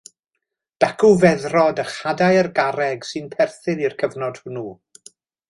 Dacw feddrod a chadair garreg sy'n perthyn i'r cyfnod hwnnw.